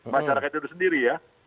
masyarakat itu sendiri ya